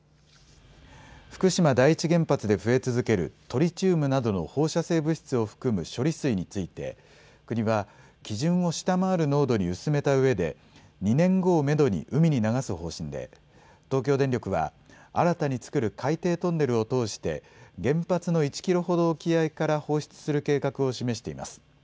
福島第一原発で増え続けるトリチウムなどの放射性物質を含む処理水について、国は、基準を下回る濃度に薄めたうえで、２年後をメドに海に流す方針で、東京電力は、新たに作る海底トンネルを通して、原発の１キロほど沖合から放出する計画を示しています。